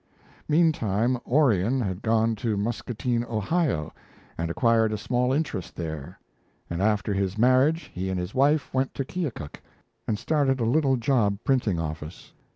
Meantime, Orion had gone to Muscatine, Ohio, and acquired a small interest there; and, after his marriage, he and his wife went to Keokuk and started a little job printing office.